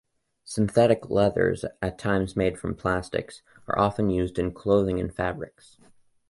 Synthetic leathers, at times made from plastics, are often used in clothing and fabrics.